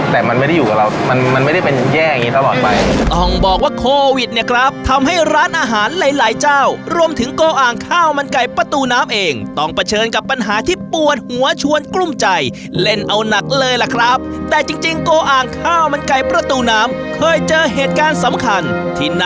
แต่มันไม่ได้อยู่กับเรามันมันไม่ได้เป็นแย่อย่างงี้ตลอดไปต้องบอกว่าโควิดเนี่ยครับทำให้ร้านอาหารหลายหลายเจ้ารวมถึงโกอ่างข้าวมันไก่ประตูน้ำเองต้องเผชิญกับปัญหาที่ปวดหัวชวนกลุ้มใจเล่นเอาหนักเลยล่ะครับแต่จริงจริงโกอ่างข้าวมันไก่ประตูน้ำเคยเจอเหตุการณ์สำคัญที่น